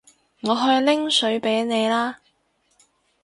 我去拎水畀你啦